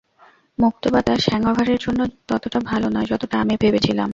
মুক্ত বাতাস হ্যাংওভারের জন্য ততটা ভালো নয় যতটা আমি ভেবেছিলাম।